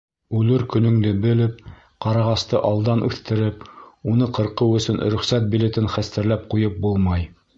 Үлер көнөңдө белеп, ҡарағасты алдан үҫтереп, уны ҡырҡыу өсөн рөхсәт билетын хәстәрләп ҡуйып булмай.